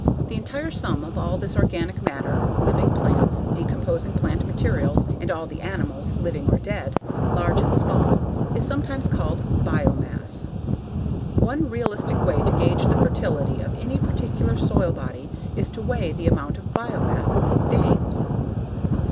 The entire sum of all this organic matter: living plants, decomposing plant materials, and all the animals, living or dead, large and small is sometimes called biomass. One realistic way to gauge the fertility of any particular soil body is to weigh the amount of biomass it sustains.